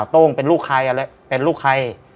โต้งเป็นลูกใครเป็นลูกใคร